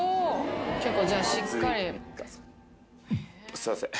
すいません。